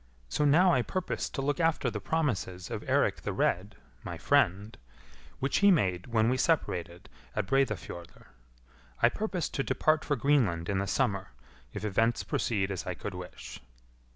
So now I purpose to look after the promises of Eirik the Red, my friend, which he made when we separated at Breidafjordr. I purpose to depart for Greenland in the summer, if events proceed as I could wish."